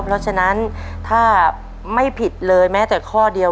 เพราะฉะนั้นถ้าไม่ผิดเลยแม้แต่ข้อเดียว